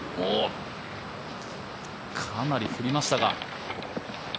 かなり振りましたが。